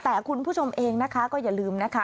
แต่คุณผู้ชมเองนะคะก็อย่าลืมนะคะ